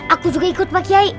aku juga ikut pak kiai